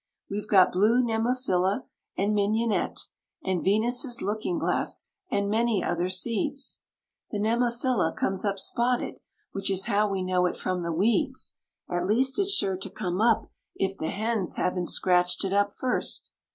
We've got Blue Nemophila and Mignonette, and Venus's Looking glass, and many other seeds; The Nemophila comes up spotted, which is how we know it from the weeds. At least it's sure to come up if the hens haven't scratched it up first.